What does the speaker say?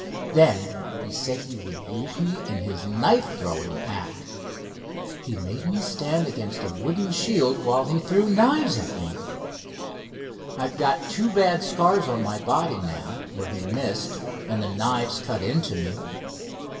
Then he said he would use me in his knife throwing act. He made me stand against a wooden shield while he threw knives at me. I've got two bad scars on my body now, where he missed, and the knives cut into me.